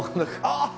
ああ！